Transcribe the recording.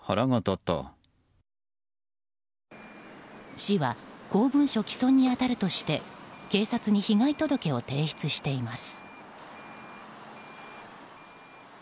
市は公文書毀損に当たるとして警察に被害届を提出しています。